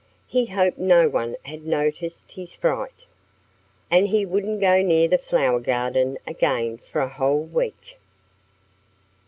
He hoped no one had noticed his fright. And he wouldn't go near the flower garden again for a whole week.